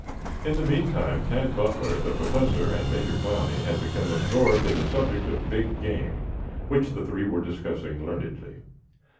In the meantime Tad Butler, the Professor and Major Clowney had become absorbed in the subject of big game, which the three were discussing learnedly.